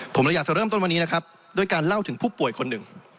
ผมเลยอยากจะเริ่มต้นวันนี้นะครับด้วยการเล่าถึงผู้ป่วยคนหนึ่ง